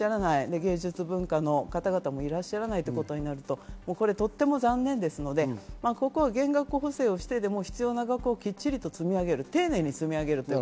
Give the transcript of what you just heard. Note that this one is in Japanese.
芸術文化の方々もいらっしゃらないということになると、とっても残念ですので、減額補正をしてでも必要な額をきっちり積み上げる、丁寧に積み上げるという